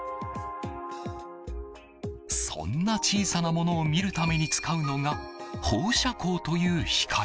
そんな小さなものを見るために使うのが放射光という光。